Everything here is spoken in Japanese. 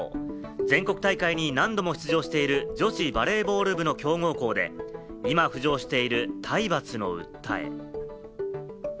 全国大会に何度も出場している女子バレーボール部の強豪校で、今、浮上している体罰の訴え。